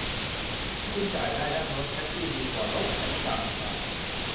ถ้าคุณจ่ายได้ นั่งรถแท็กซี่ดีกว่ารถประจำทาง